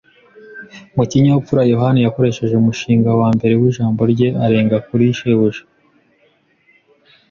Mu kinyabupfura, yohani yakoresheje umushinga wa mbere w’ijambo rye arenga kuri shebuja.